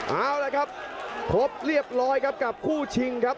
เอาละครับครบเรียบร้อยครับกับคู่ชิงครับ